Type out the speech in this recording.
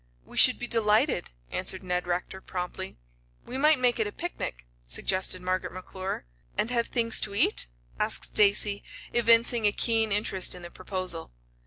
"We should be delighted," answered Ned Rector promptly. "We might make it a picnic," suggested Margaret McClure. "And have things to eat?" asked Stacy, evincing a keen interest in the proposal.